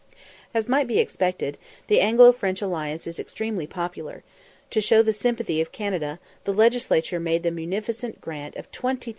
As might be expected, the Anglo French alliance is extremely popular: to show the sympathy of Canada, the Legislature made the munificent grant of 20,000_l.